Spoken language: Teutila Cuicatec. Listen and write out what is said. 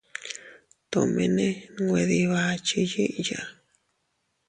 Tomene nwe dii bakchi yiʼya.